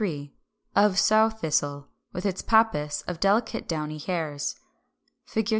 Of Sow Thistle, with its pappus of delicate downy hairs. 384.